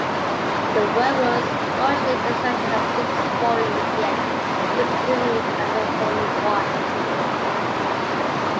The work was originally designed to have six volumes yet discontinued after volume one.